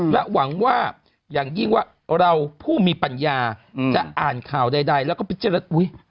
และหวังว่าอย่างยิ่งว่าเราผู้มีปัญญาจะอ่านข่าวใดแล้วก็พิจารณาอุ๊ย